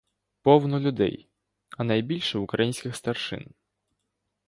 Повно людей, а найбільше українських старшин.